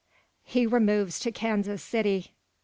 HE REMOVES TO KANSAS CITY.